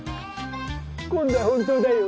今度は本当だよ。